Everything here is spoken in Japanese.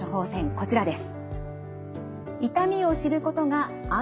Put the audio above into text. こちらです。